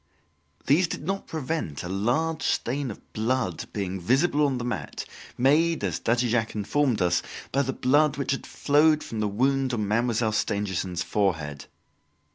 These did not prevent a large stain of blood being visible on the mat, made, as Daddy Jacques informed us, by the blood which had flowed from the wound on Mademoiselle Stangerson's forehead.